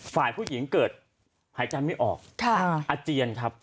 ฝ่ายผู้หญิงเกิดหายใจไม่ออกอาเจียนครับ